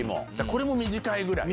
これも短いぐらい。